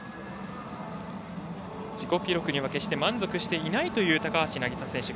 自己記録には決して満足していないという高橋渚選手